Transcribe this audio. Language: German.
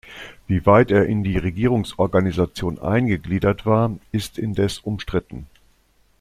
Wie weit er in die Regierungsorganisation eingegliedert war, ist indes umstritten.